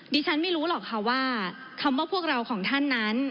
ดิฉันไม่รู้หรอกค่ะว่าคำว่าพวกเราของท่านนั้น